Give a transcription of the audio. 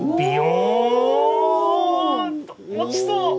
落ちそう。